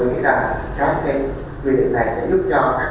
và tôi nghĩ rằng các cái quy định này sẽ giúp cho các lực lượng